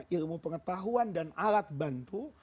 ilmu pengetahuan dan alat bantu